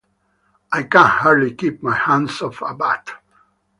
I can hardly keep my hands off a bat.